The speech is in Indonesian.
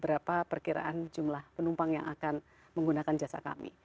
berapa perkiraan jumlah penumpang yang akan menggunakan jasa kami